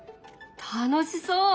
楽しそう！